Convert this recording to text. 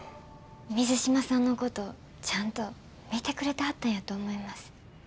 水島さんのことちゃんと見てくれてはったんやと思います。